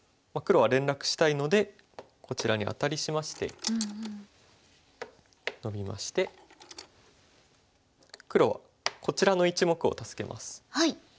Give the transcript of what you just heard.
黒は連絡したいのでこちらにアタリしましてノビまして黒はこちらの１目を助けます。